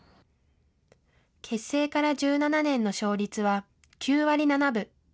結成から１７年の勝率は９割７分。